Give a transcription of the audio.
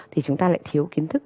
thì chúng ta lại thiếu kiến thức